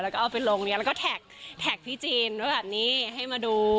แล้วเอาไปร้องนี้แล้วก็แท็กนี่แท็กพี่จีนว่าแบบนี้ให้มาดู